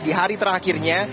di hari terakhirnya